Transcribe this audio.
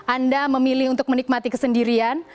anda memilih untuk menikmati kesendirian